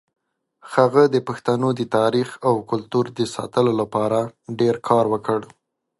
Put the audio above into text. هغه د پښتنو د تاریخ او کلتور د ساتلو لپاره ډېر کار وکړ.